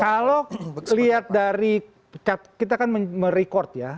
kalau lihat dari cat kita kan merecord ya